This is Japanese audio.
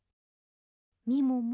みもも。